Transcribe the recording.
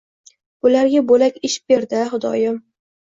Bularga bo‘lak ish ber-da, xudoyim.